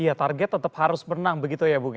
iya target tetap harus menang begitu ya bung ya